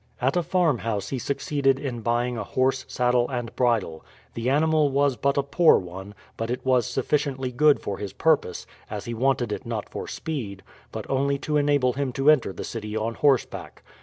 At a farmhouse he succeeded in buying a horse, saddle, and bridle. The animal was but a poor one, but it was sufficiently good for his purpose, as he wanted it not for speed, but only to enable him to enter the city on horseback.